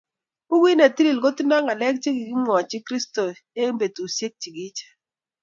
Bukut ne tilil ko tindoi ngalek chikimwoi kristo eng betusiek chikiche